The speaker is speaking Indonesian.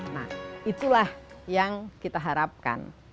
nah itulah yang kita harapkan